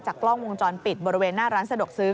กล้องวงจรปิดบริเวณหน้าร้านสะดวกซื้อ